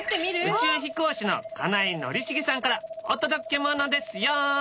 宇宙飛行士の金井宣茂さんからお届けものですよ。